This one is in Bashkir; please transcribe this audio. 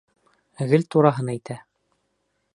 Гел тураһын әйтә.